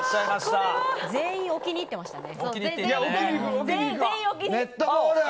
全員置きにいってましたね。